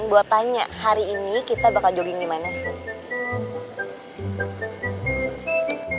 gue tanya hari ini kita bakal jogging gimana sih